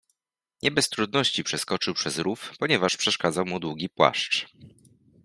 Nie bez trudności przeskoczył przez rów, ponieważ przeszkadzał mu długi płaszcz.